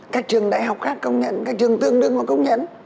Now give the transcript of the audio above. các trường đại học khác công nhận các trường tương đương và công nhận